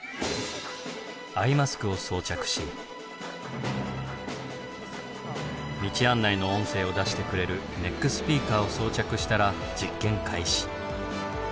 アイマスクを装着し道案内の音声を出してくれるネックスピーカーを装着したら実験開始。